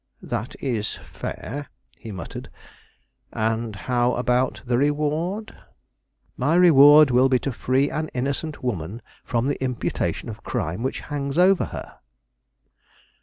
"That is fair," he muttered. "And how about the reward?" "My reward will be to free an innocent woman from the imputation of crime which hangs over her."